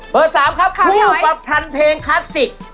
เบอร์สามครับผู้ประพันธ์เพลงคลาสสิค